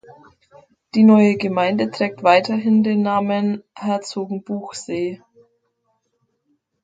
Die neue Gemeinde trägt weiterhin den Namen "Herzogenbuchsee".